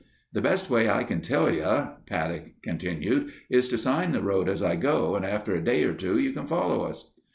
"The best way I can help you," Paddock continued, "is to sign the road as I go and after a day or two you can follow us."